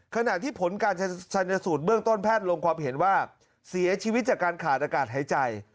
ขณะที่ผลการชันสูตรเบื้องต้นแพทย์ลงความเห็นว่าเสียชีวิตจากการขาดอากาศหายใจ